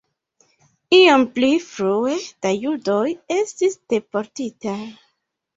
Iom pli frue la judoj estis deportitaj.